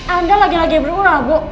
anda lagi lagi bermurah bu